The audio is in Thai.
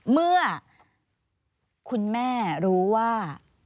เมื่อคุณแม่รู้ว่า